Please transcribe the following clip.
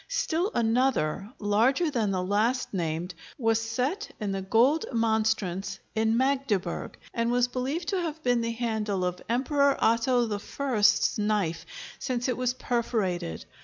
Still another, larger than the last named, was set in the gold monstrance in Magdeburg, and was believed to have been the handle of Emperor Otho I's knife, since it was perforated.